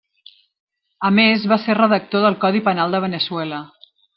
A més va ser redactor del codi penal de Veneçuela.